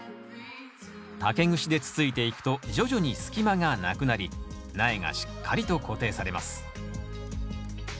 竹串でつついていくと徐々に隙間がなくなり苗がしっかりと固定されます